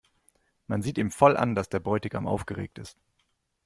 Man sieht ihm voll an, dass der Bräutigam aufgeregt ist.